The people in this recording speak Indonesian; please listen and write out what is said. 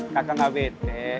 kakak gak bete